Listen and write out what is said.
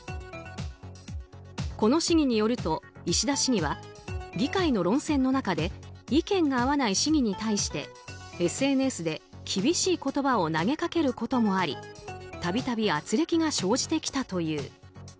この市議によると、石田市議は議会の論戦の中で意見が合わない市議に対してＳＮＳで厳しい言葉を投げかけることもあり度々、軋轢が生じてきたという。